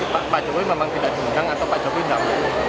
pak jokowi memang tidak diundang atau pak jokowi tidak mau